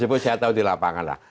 sebut saya tahu di lapangan lah